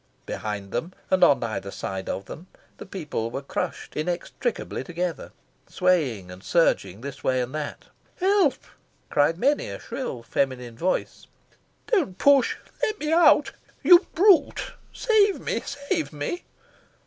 Behind them, and on either side of them, the people were crushed inextricably together, swaying and surging this way and that. "Help!" cried many a shrill feminine voice. "Don't push!" "Let me out!" "You brute!" "Save me, save me!"